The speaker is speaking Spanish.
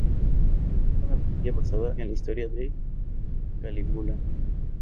Es una comedia basada en la historia de Calígula.